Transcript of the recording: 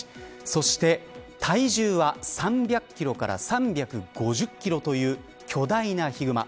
そして体重は３００キロから３５０キロという巨大なヒグマ。